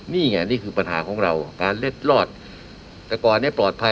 นี่ไงนี่คือปัญหาของเราการเล็ดรอดแต่ก่อนเนี่ยปลอดภัย